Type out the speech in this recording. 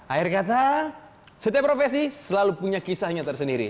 air kata setiap profesi selalu punya kisahnya tersendiri